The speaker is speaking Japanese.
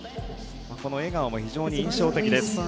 笑顔も非常に印象的です。